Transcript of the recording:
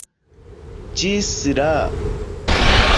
Ĝis la!